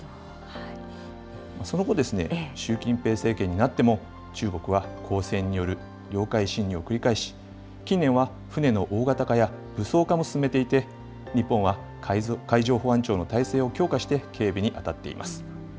その後、習近平政権になっても、中国は公船による領海侵入を繰り返し、近年は船の大型化や武装化も進めていて、日本は海上保安庁の体制を強化して、警備に当たっています。